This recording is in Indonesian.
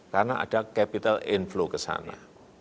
karena ada capital inflow ke sana